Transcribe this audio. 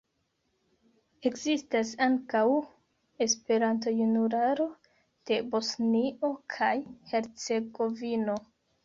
Ekzistas ankaŭ "Esperanto-Junularo de Bosnio kaj Hercegovino".